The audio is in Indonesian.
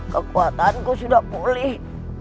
kekuatanku sudah pulih